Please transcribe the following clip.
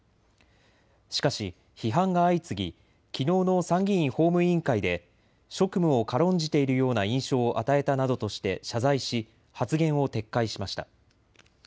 しかし批判が相次ぎきのうの参議院法務委員会で職務を軽んじているような印象を与えたなどとして謝罪し発言を撤回しました。